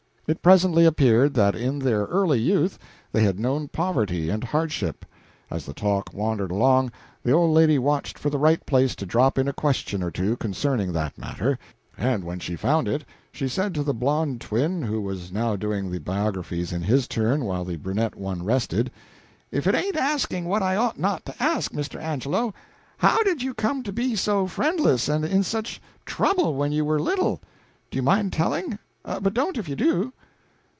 It presently appeared that in their early youth they had known poverty and hardship. As the talk wandered along the old lady watched for the right place to drop in a question or two concerning that matter, and when she found it she said to the blond twin who was now doing the biographies in his turn while the brunette one rested "If it ain't asking what I ought not to ask, Mr. Angelo, how did you come to be so friendless and in such trouble when you were little? Do you mind telling? But don't if you do."